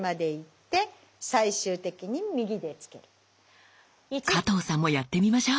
加藤さんもやってみましょう。